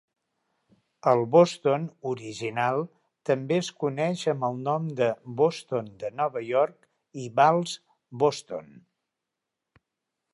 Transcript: El bòston original també es coneix amb el nom de bòston de Nova York i vals bòston.